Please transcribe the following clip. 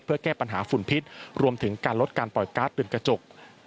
เพื่อแก้ปัญหาฝุ่นพิษรวมถึงการลดการปล่อยการ์ดเป็นกระจก